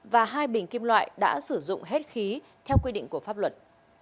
và hai bình kim loại đã sử dụng hết khí theo quy định của pháp luật